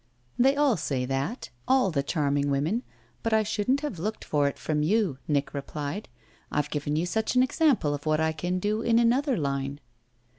"They all say that all the charming women, but I shouldn't have looked for it from you," Nick replied. "I've given you such an example of what I can do in another line."